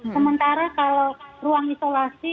sementara kalau ruang isolasi